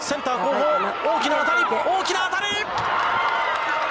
大きな当たり大きな当たり！